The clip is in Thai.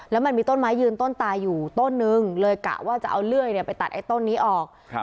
แล้วมันมีต้นไม้ยืนต้นตายอยู่ต้นนึงเลยกะว่าจะเอาเลื่อยไปตัดไอ้ต้นนี้ออก